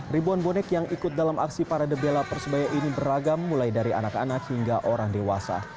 ribuan bonek yang ikut dalam aksi para debella persebaya ini beragam mulai dari anak anak hingga orang dewasa